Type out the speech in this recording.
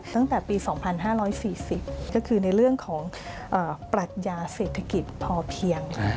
ตั้งแต่ปี๒๕๔๐ก็คือในเรื่องของปรัชญาเศรษฐกิจพอเพียง